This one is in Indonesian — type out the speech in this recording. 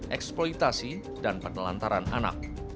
eksploitasi dan penelantaran anak